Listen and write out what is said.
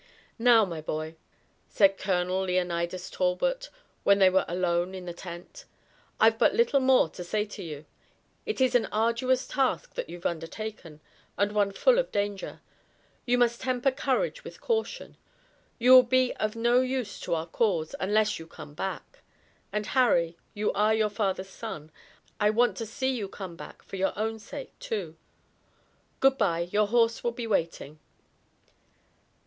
"Now, my boy," said Colonel Leonidas Talbot, when they were alone in the tent, "I've but little more to say to you. It is an arduous task that you've undertaken, and one full of danger. You must temper courage with caution. You will be of no use to our cause unless you come back. And, Harry, you are your father's son; I want to see you come back for your own sake, too. Good bye, your horse will be waiting."